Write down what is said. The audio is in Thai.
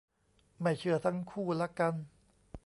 ไม่เชื่อทั้งคู่ละกัน